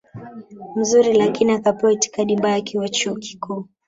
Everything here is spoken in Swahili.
mzuri lakini akapewa itikadi mbaya akiwa chuo kikuu